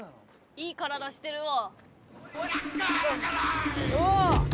いい体してるわ。